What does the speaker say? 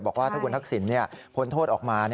บอกว่าถ้าคุณทักษิณพ้นโทษออกมา